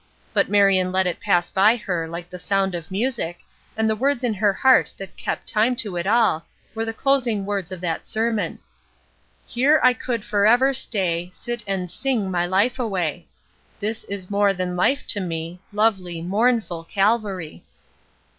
But Marion let it pass by her like the sound of music, and the words in her heart that kept time to it all were the closing words of that sermon: "Here I could forever stay, Sit and sing my life away. This is more than life to me, Lovely, mournful Calvary."